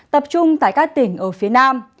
tập trung tại các tỉnh ở phía nam